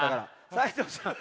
斉藤さん